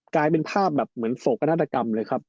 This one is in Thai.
กลายเป็นภาพแบบเหมือนโศกนาฏกรรมเลยครับ